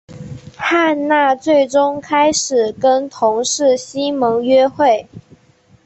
汉娜最终开始跟同事西蒙约会。